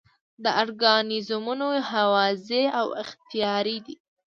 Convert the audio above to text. دا ارګانیزمونه هوازی او اختیاري دي.